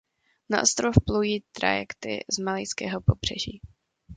Na ostrov plují trajekty z malajského pobřeží.